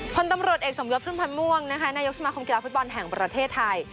พลตำรวจเอกสมยศพุ่มพันธ์ม่วงนะคะนายกสมาคมกีฬาฟุตบอลแห่งประเทศไทย